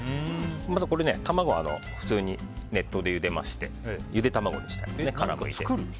まず、卵は普通に熱湯でゆでましてゆで卵にしてあります。